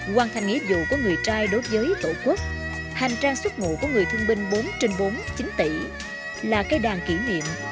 hoàn thành nghĩa dụ của người trai đối với tổ quốc hành trang xuất ngụ của người thương binh bốn trên bốn chính tỷ là cây đàn kỷ niệm